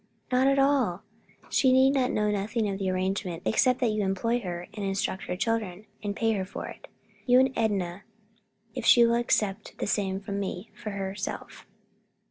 "Not at all; she need know nothing of the arrangement except that you employ her to instruct your children, and pay her for it. You and Enna, if she will accept the same from me, for herself."